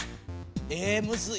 えむずい。